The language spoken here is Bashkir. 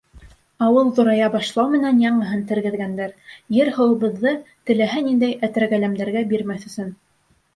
Ауыл ҙурая башлау менән яңыһын тергеҙгәндәр, ер-һыуыбыҙҙы теләһә ниндәй әтрәгәләмдәргә бирмәҫ өсөн.